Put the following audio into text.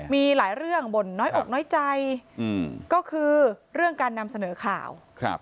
มีหลายเรื่องบ่นน้อยอกน้อยใจก็คือเรื่องการนำเสนอข่าว